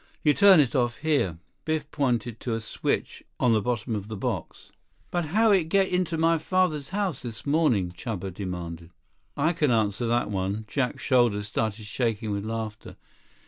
You turn it off here." Biff pointed to a switch on the bottom of the box. "But how it get in my father's house this morning?" Chuba demanded. "I can answer that one." Jack's shoulders started shaking with laughter.